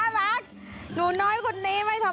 สบัดข่าวเด็ก